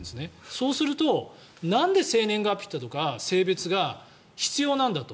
そうすると、なんで生年月日だとか性別が必要なんだと。